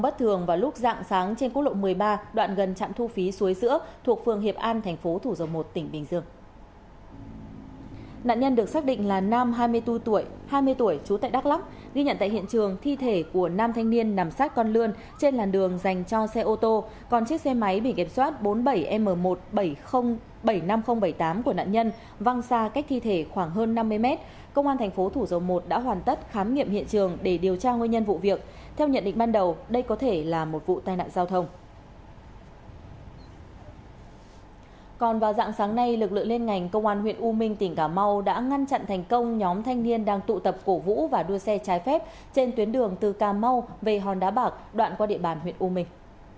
còn vào dạng sáng nay lực lượng lên ngành công an huyện u minh tỉnh cà mau đã ngăn chặn thành công nhóm thanh niên đang tụ tập cổ vũ và đua xe trái phép trên tuyến đường từ cà mau về hòn đá bạc đoạn qua địa bàn huyện u minh